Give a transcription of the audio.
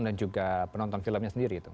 dan juga penonton filmnya sendiri